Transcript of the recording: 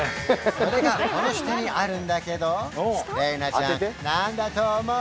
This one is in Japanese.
それがこの下にあるんだけど玲奈ちゃん何だと思う？